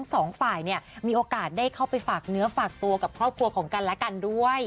สองฝ่ายเนี่ยมีโอกาสได้เข้าไปฝากเนื้อฝากตัวกับครอบครัวของกันและกันด้วย